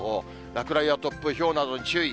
落雷や突風、ひょうなどに注意。